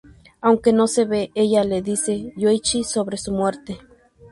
Aunque no se ve, ella le dice a Yoichi sobre su muerte.